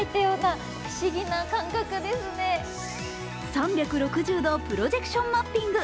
３６０度プロジェクションマッピング。